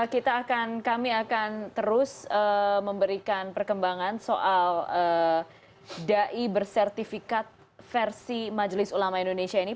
kami akan terus memberikan perkembangan soal dai bersertifikat versi majelis ulama indonesia ini